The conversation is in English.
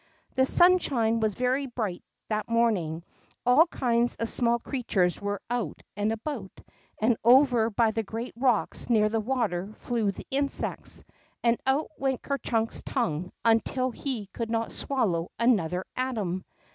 The sunshine was very bright that morning; all kinds of small creatures were out and about, and over by the great rocks near the water flew the insects, and out went Ker Chunk's tongue until he could not swallow another atom.